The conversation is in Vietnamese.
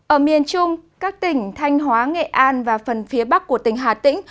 ở miền trung các tỉnh thanh hóa nghệ an và phần phía bắc của tỉnh hà tĩnh